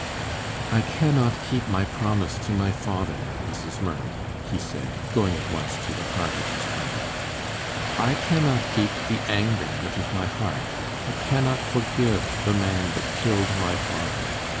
"I cannot keep my promise to my father, Mrs. Murray," he said, going at once to the heart of his trouble. "I cannot keep the anger out of my heart. I cannot forgive the man that killed my father.